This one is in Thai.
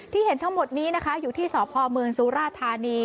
เห็นทั้งหมดนี้นะคะอยู่ที่สพเมืองสุราธานี